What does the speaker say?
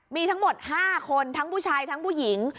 มี๕คนทั้งผู้ชายทั้งผู้หญิง